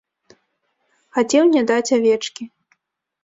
Хацеў не даць авечкі.